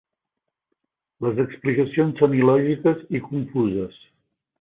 Les explicacions són il·lògiques i confuses.